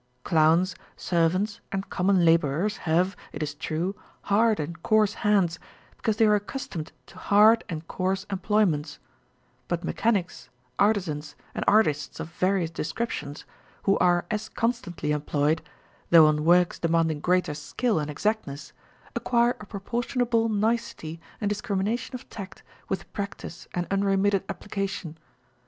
Clowns, servants, and common labourers have, it is true, hard and coarse hands, because they are accustomed to hard and coarse employments ; but mechanics, artizans, and artists of various descriptions, who are as constantly employed, though on works demanding greater skill and On Novelty and Familiarity. 415 exactness, acquire a proportionable nicety and discrimina tion of tact with practice and unremitted application.